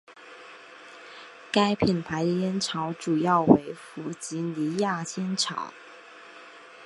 该品牌的烟草主要为弗吉尼亚烟草。